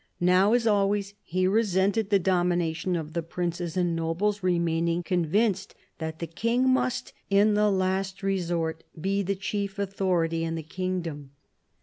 Now, as always, he resented the domination of the princes and nobles, remaining con vinced that the King must, in the last resort, be the chief authority in the kingdom.